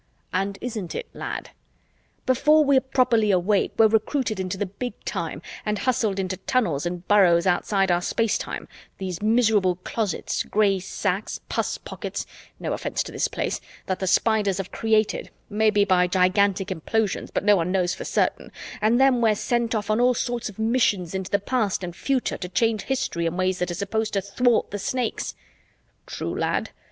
"And isn't it, lad?" "Before we're properly awake, we're Recruited into the Big Time and hustled into tunnels and burrows outside our space time, these miserable closets, gray sacks, puss pockets no offense to this Place that the Spiders have created, maybe by gigantic implosions, but no one knows for certain, and then we're sent off on all sorts of missions into the past and future to change history in ways that are supposed to thwart the Snakes." "True, lad."